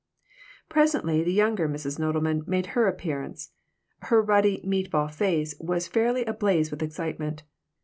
Presently the younger Mrs. Nodelman made her appearance. Her ruddy "meat ball" face was fairly ablaze with excitement.